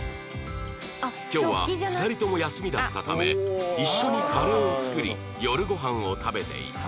今日は２人とも休みだったため一緒にカレーを作り夜ごはんを食べていた